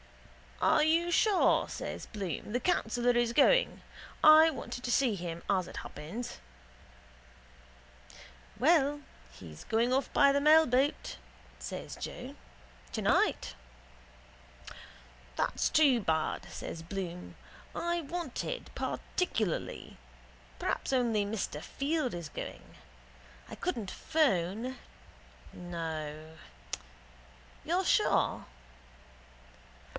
—Are you sure, says Bloom, the councillor is going? I wanted to see him, as it happens. —Well, he's going off by the mailboat, says Joe, tonight. —That's too bad, says Bloom. I wanted particularly. Perhaps only Mr Field is going. I couldn't phone. No. You're sure?